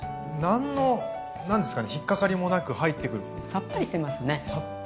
さっぱりしてます。